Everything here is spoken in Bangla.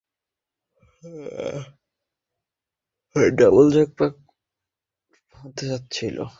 ডাবল জ্যাকপট হতে যাচ্ছিলো।